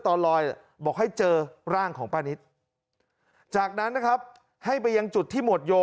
ตอนลอยบอกให้เจอร่างของป้านิตจากนั้นนะครับให้ไปยังจุดที่หมวดโย